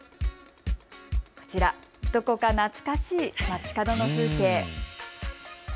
こちら、どこか懐かしい街角の風景。